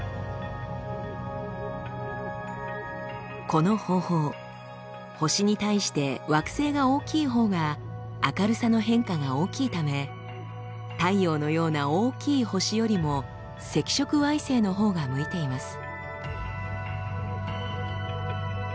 この方法星に対して惑星が大きいほうが明るさの変化が大きいため太陽のような大きい星よりも赤色矮星のほうが向いています。